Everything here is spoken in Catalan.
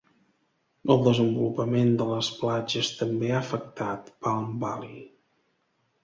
El desenvolupament de les platges també ha afectat Palm Valley.